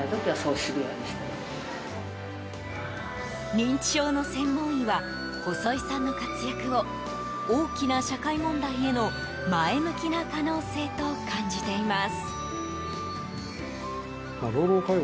認知症の専門医は細井さんの活躍を大きな社会問題への前向きな可能性と感じています。